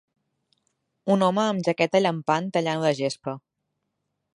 Un home amb jaqueta llampant tallant la gespa.